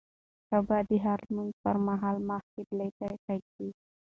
کعبه د هر لمونځه پر مهال مخ قبله ټاکي.